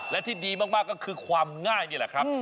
และที่ดีมากก็คือความง่ายนี่แหละครับ